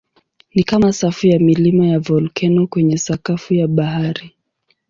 Ni kama safu ya milima ya volkeno kwenye sakafu ya bahari.